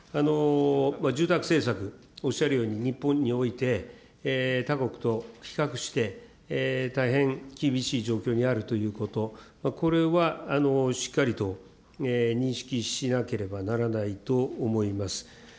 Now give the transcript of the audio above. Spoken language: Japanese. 住宅政策、おっしゃるように、日本において、他国と比較して大変厳しい状況にあるということ、これはしっかりと認識しなければならないと思います。